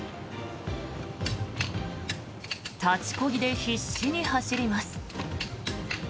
立ちこぎで必死に走ります。